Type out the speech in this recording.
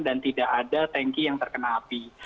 dan tidak ada tanki yang terkena api